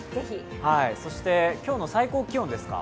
そして今日の最高気温ですが。